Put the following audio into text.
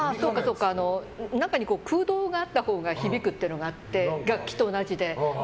中に空洞があったほうが響くっていうのがあって楽器と同じで。